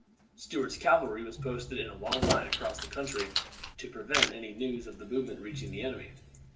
Stuart's cavalry was posted in a long line across the country to prevent any news of the movement reaching the enemy.